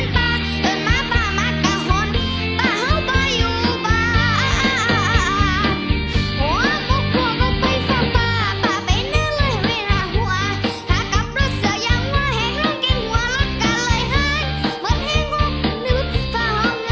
กาตับรถเกือบยางมัวแห่งรุง